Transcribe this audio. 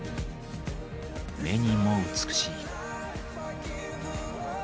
目にも美しい。